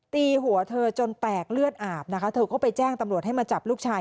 ตีหัวเธอจนแตกเลือดอาบนะคะเธอก็ไปแจ้งตำรวจให้มาจับลูกชาย